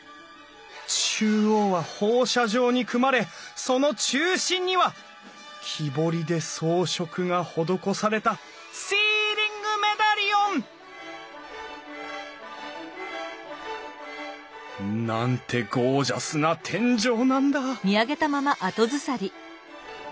中央は放射状に組まれその中心には木彫りで装飾が施されたシーリングメダリオン！なんてゴージャスな天井なんだ！